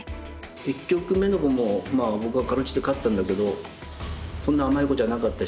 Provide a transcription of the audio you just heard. １局目の碁も僕が辛うじて勝ったんだけどそんな甘い碁じゃなかったし。